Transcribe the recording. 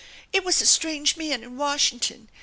It was a strange man in Washington.